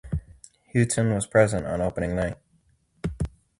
Houghton was present on opening night.